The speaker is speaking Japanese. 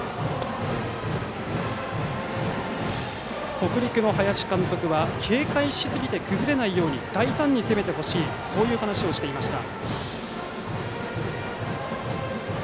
北陸の林監督は警戒しすぎて崩れないように大胆に攻めてほしいと話していました。